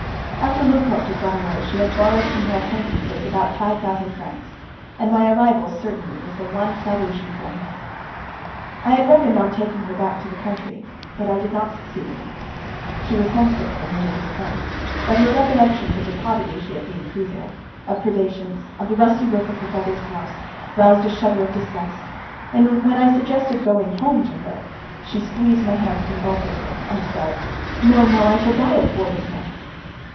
After Lubkov had gone away she had borrowed from her acquaintances about five thousand francs, and my arrival certainly was the one salvation for her. I had reckoned on taking her back to the country, but I did not succeed in that. She was homesick for her native place, but her recollections of the poverty she had been through there, of privations, of the rusty roof on her brother's house, roused a shudder of disgust, and when I suggested going home to her, she squeezed my hands convulsively and said: "No, no, I shall die of boredom there!"